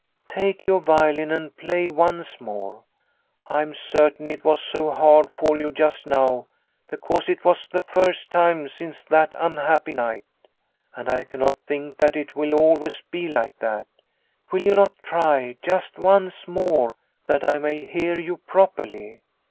Take your violin and play once more. I am certain it was so hard for you just now because it The Home 267 was the first time since that unhappy night. And I cannot think that it will always be like that. Will you not try just once more, that I may hear you properly?